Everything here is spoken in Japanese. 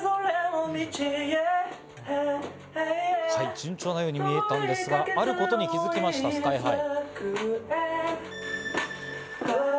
順調なように見えたんですが、あることに気づきました、ＳＫＹ−ＨＩ。